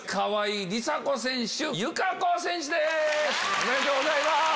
おめでとうございます！